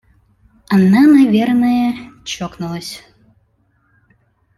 Она, наверное, чокнулась.